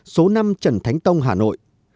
số năm trần thánh tông hà nội